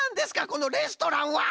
このレストランは！